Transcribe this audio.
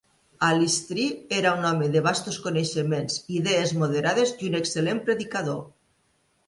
Allestree era un home de vastos coneixements, idees moderades i un excel·lent predicador.